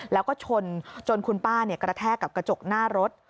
แล้วก็ชนจนคุณป้ากระแทกกับกระจกหน้ารถ